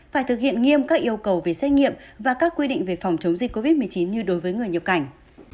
phải thực hiện nghiêm các yêu cầu về xét nghiệm và các quy định về phòng chống dịch covid một mươi chín như đối với người nhập cảnh